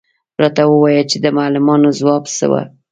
_راته ووايه چې د معلمانو ځواب څه و؟